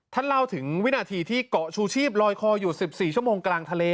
เล่าถึงวินาทีที่เกาะชูชีพลอยคออยู่๑๔ชั่วโมงกลางทะเล